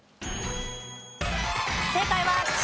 正解はＣ。